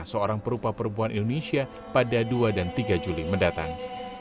seorang perupa perempuan indonesia pada dua dan tiga juli mendatang